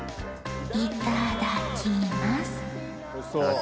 いただきます。